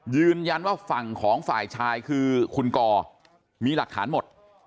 ยืนยันว่าฝั่งของฝ่ายชายคือคุณกอมีหลักฐานหมด